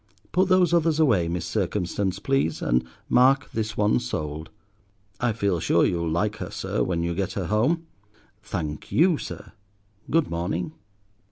(Put those others away, Miss Circumstance, please, and mark this one sold.) I feel sure you'll like her, sir, when you get her home. Thank you, sir. Good morning!"